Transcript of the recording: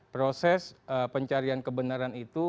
proses pencarian kebenaran